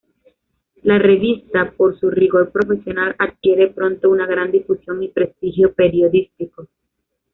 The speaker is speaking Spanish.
La revista, por su rigor profesional, adquiere pronto una gran difusión y prestigio periodístico.